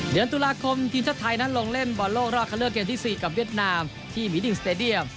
เดือนตุลาคมทีมชาติไทยนั้นลงเล่นบอลโลกรอบคันเลือกเกมที่๔กับเวียดนามที่หมิดิงสเตดียม